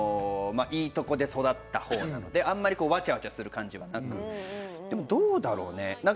いいところで育ったほうなので、あんまりわちゃわちゃするところはなく、でもどうだろうね。